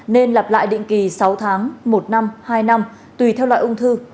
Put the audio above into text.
nên lặp lại định kỳ sáu tháng một năm hai năm tùy theo loại ung thư